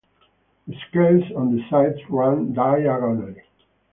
The scales on the sides run diagonally.